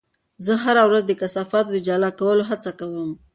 زه هره ورځ د کثافاتو د جلا کولو هڅه کوم.